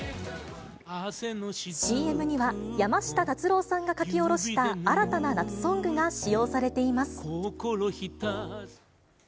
ＣＭには、山下達郎さんが書き下ろした新たな夏ソングが使用されています。